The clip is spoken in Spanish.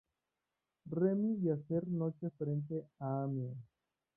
Remy y hacer noche frente a Amiens.